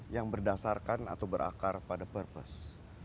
yang berdasarkan atau berakar pada purpose